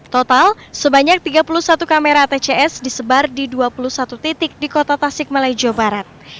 total sebanyak tiga puluh satu kamera atcs disebar di dua puluh satu titik di kota tasik malaya jawa barat